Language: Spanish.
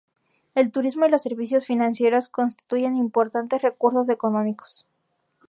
El turismo y los servicios financieros constituyen importantes recursos económicos.